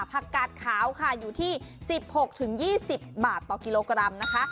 ผักกาดขาวค่ะอยู่ที่๑๖๒๐บาทต่อกิโลกรัมนะคะ